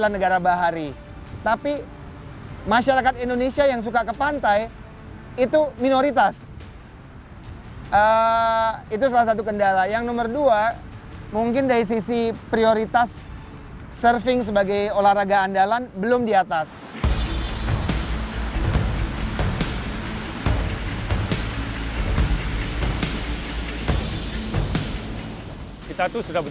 jangan lupa subscribe share dan subscribe